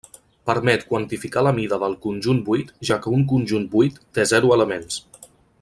Permet quantificar la mida del conjunt buit, ja que un conjunt buit té zero elements.